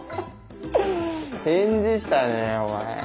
返事したねお前。